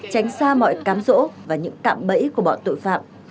tránh xa mọi cám rỗ và những cạm bẫy của bọn tội phạm